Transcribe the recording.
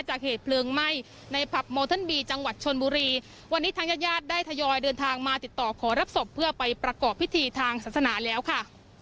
จากเหตุเพลิงไหม้ในพับจังหวัดชนบุรีวันนี้ทางยาดได้ทยอยเดินทางมาติดต่อขอรับศพเพื่อไปประกอบพิธีทางศักดิ์สนานแล้วค่ะ